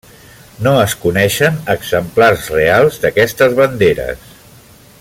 No es coneixen exemplars reals d'aquestes banderes.